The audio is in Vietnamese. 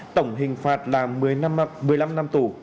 tổng hình phạt là một mươi năm năm tù